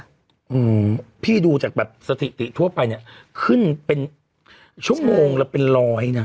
อืมพี่ดูจากแบบสถิติทั่วไปเนี้ยขึ้นเป็นชั่วโมงละเป็นร้อยนะ